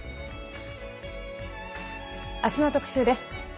明日の特集です。